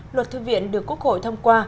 luật thư viện được quốc hội thông qua